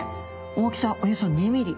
大きさおよそ２ミリ。